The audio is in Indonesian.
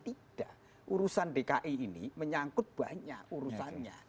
tidak urusan dki ini menyangkut banyak urusannya